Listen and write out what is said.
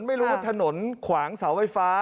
ไม่รู้ว่าถนนขวางเสาไฟฟ้า